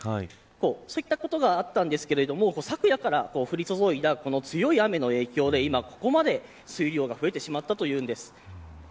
そういったことがあったんですけど昨夜から降り注いだ強い雨の影響で今、ここまで水量が増えてしまったというんです。